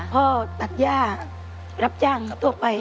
พ่อตัดย่ารับจ้างทั่วไป